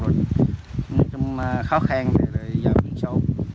nhưng mà khó khăn để giao đất cho họ